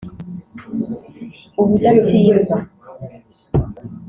”Ubudatsindwa ‘